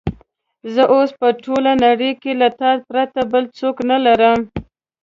زه اوس په ټوله نړۍ کې له تا پرته بل څوک نه لرم.